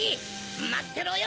まってろよ！